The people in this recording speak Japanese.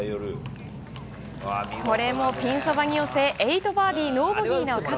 これもピンそばに寄せ、８バーディー、ノーボギーの勝。